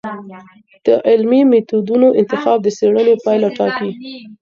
د علمي میتودونو انتخاب د څېړنې پایله ټاکي.